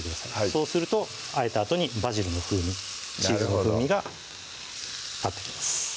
そうするとあえたあとにバジルの風味チーズの風味が立ってきます